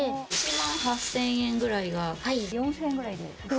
１万８０００円ぐらいが４０００円ぐらいです。